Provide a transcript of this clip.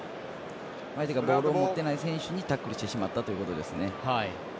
ボールを持ってない選手にタックルをしてしまったということですね。